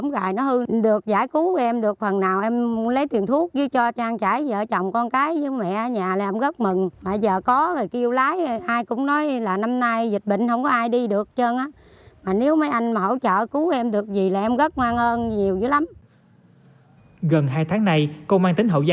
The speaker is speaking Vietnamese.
gần hai tháng nay công an tỉnh hậu giang